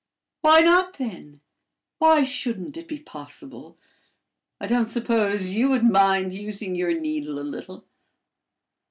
"Why not, then? Why shouldn't it be possible? I don't suppose you would mind using your needle a little?"